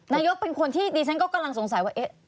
นายกเป็นคนที่ดิฉันก็กำลังสงสัยว่า